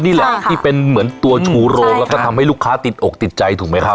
นี่แหละที่เป็นเหมือนตัวชูโรงแล้วก็ทำให้ลูกค้าติดอกติดใจถูกไหมครับ